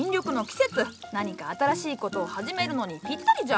何か新しい事を始めるのにぴったりじゃ！